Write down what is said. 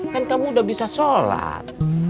kan kamu udah bisa sholat